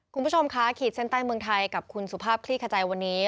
คุณผู้ชมค่ะขีดเส้นใต้เมืองไทยกับคุณสุภาพคลี่ขจายวันนี้